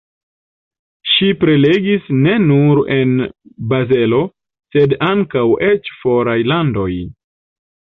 Ŝi prelegis ne nur en Bazelo, sed ankaŭ eĉ foraj landoj.